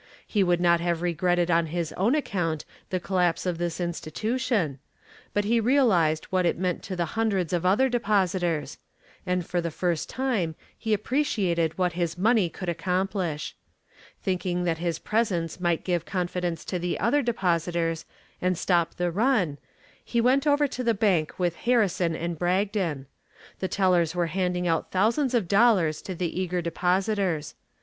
He would not have regretted on his own account the collapse of this institution, but he realized what it meant to the hundreds of other depositors, and for the first time he appreciated what his money could accomplish. Thinking that his presence might give confidence to the other depositors and stop the run he went over to the bank with Harrison and Bragdon. The tellers were handing out thousands of dollars to the eager depositors.